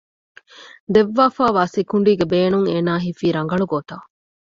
ދެއްވާފައިވާ ސިކުނޑީގެ ބޭނުން އޭނާ ހިފީ ރަނގަޅު ގޮތަށް